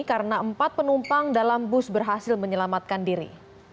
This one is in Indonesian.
karena empat penumpang dalam bus berhasil menyelamatkan diri